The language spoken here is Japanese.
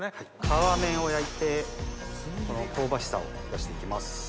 皮目を焼いて香ばしさを出して行きます。